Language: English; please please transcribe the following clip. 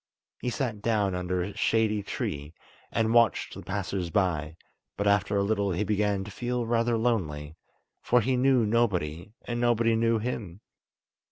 He sat down under a shady tree, and watched the passers by, but after a little he began to feel rather lonely, for he knew nobody and nobody knew him.